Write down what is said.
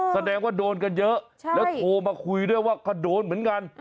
แสดงว่าโดนกันเยอะแล้วโทรมาคุยด้วยว่าก็โดนเหมือนกัน